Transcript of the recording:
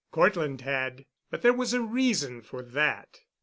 Cortland had, but there was a reason for that.